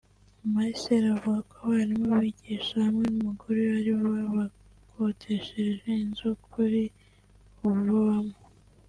Marcel avuga ko abarimu bigisha hamwe n’ umugore we aribo babakodeshereje inzu kuri ubu babamo